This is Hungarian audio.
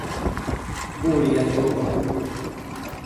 Góliát lova.